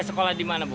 sekolah di mana bu